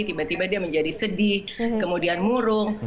tiba tiba dia menjadi sedih kemudian murung